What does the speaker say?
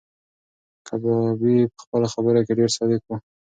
کبابي په خپلو خبرو کې ډېر صادق و.